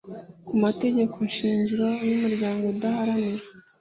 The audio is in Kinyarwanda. ku mategeko shingiro y umuryango udaharanira